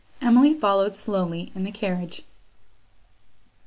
Emily followed slowly in the carriage.